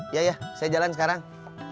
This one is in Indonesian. iya iya saya jalan sekarang